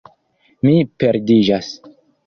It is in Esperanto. Mi perdiĝas.